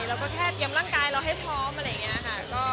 เราก็แค่เตรียมร่างกายเราให้พร้อมอะไรอย่างนี้ค่ะ